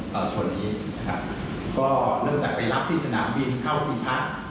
คนนี้นะครับก็เนื่องจากไปรับที่สนามบินเข้าที่พัก